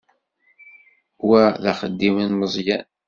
Wa d axeddim n Meẓyan.